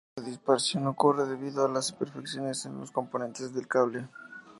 La disipación ocurre debido a las imperfecciones en los componentes del cable.